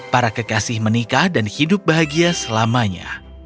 para kekasih menikah dan hidup bahagia selamanya